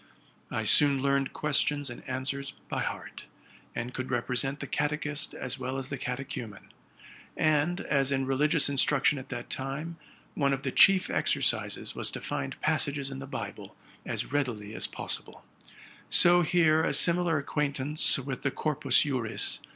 I soon learned questions and answers by heart, and could represent the catechist as well as the catechumen ; and, as in religious instruction at that time, one of the chief exercises was to find passages in the Bible as readily as pos sible; so here a similar acquaintance with the '' Corpus Juris'?